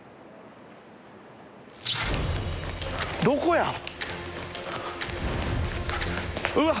どこや？